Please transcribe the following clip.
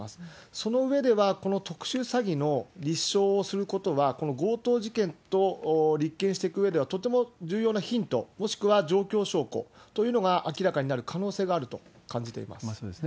その上では、この特殊詐欺の立証をすることは、この強盗事件と立件していくうえでは重要なヒント、もしくは状況証拠というのが明らかになる可能性があると感じていそうですね。